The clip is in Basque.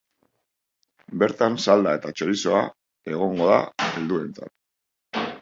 Bertan salda eta txorizoa egongo da helduentzat.